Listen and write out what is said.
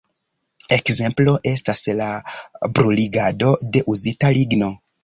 Ekzemplo estas la bruligado de uzita ligno.